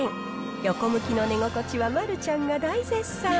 横向きの寝心地は丸ちゃんが大絶賛。